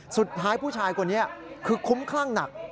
สุดท้ายผู้ชายคนนี้คือคุ้มคลั่งหนัก